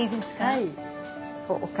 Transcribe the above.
はい。